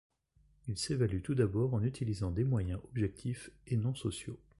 Ils s'évaluent tout d'abord en utilisant des moyens objectifs et non sociaux.